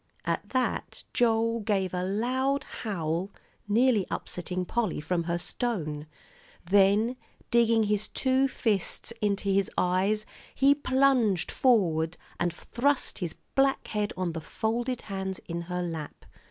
At that Joel gave a loud howl, nearly upsetting Polly from her stone; then, digging his two fists into his eyes, he plunged forward and thrust his black head on the folded hands in her lap.